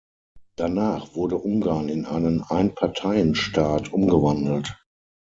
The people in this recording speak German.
Danach wurde Ungarn in einen Einparteienstaat umgewandelt.